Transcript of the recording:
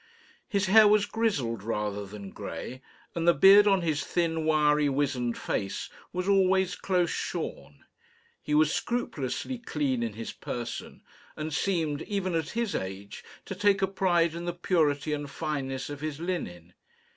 His hair was grizzled, rather than grey, and the beard on his thin, wiry, wizened face was always close shorn. He was scrupulously clean in his person, and seemed, even at his age, to take a pride in the purity and fineness of his linen.